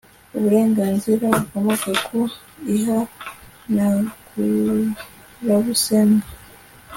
uburenganzira bukomoka ku ihanagurabusembwa